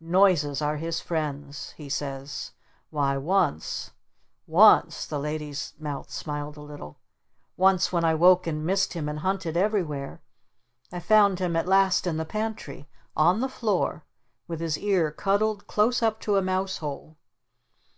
'Noises are his friends,' he says. Why once once " The Lady's mouth smiled a little. "Once when I woke and missed him and hunted everywhere I found him at last in the Pantry on the floor with his ear cuddled close up to a mouse hole!